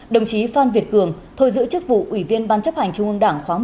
đồng chí phan việt cường thôi giữ chức vụ ủy viên ban chấp hành trung ương đảng khóa một mươi